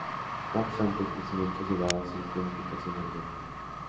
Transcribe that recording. No obstante, el crecimiento se daba sin planificación alguna.